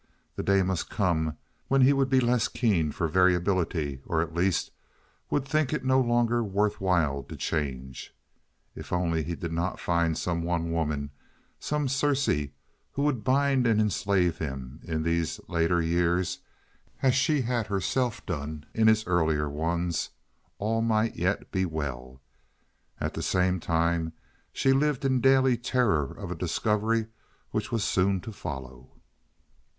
The day must come when he would be less keen for variability, or, at least, would think it no longer worth while to change. If only he did not find some one woman, some Circe, who would bind and enslave him in these Later years as she had herself done in his earlier ones all might yet be well. At the same time she lived in daily terror of a discovery which was soon to follow.